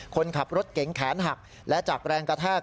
คนขับรถเก๋งแขนหักและจากแรงกระแทก